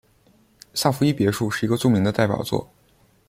萨伏伊别墅是一个著名的代表作。